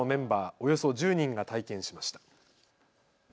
およそ１０人が体験しました。